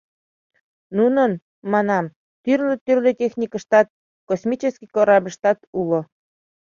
Нунын, — манам, — тӱрлӧ-тӱрлӧ техникыштат, космический корабльыштат уло».